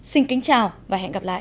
xin kính chào và hẹn gặp lại